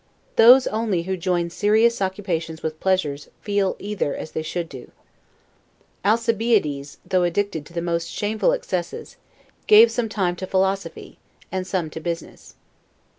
Those only who join serious occupations with pleasures, feel either as they should do. Alcibiades, though addicted to the most shameful excesses, gave some time to philosophy, and some to business.